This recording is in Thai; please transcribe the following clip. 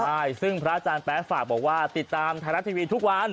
ใช่ซึ่งพระอาจารย์แป๊ะฝากบอกว่าติดตามไทยรัฐทีวีทุกวัน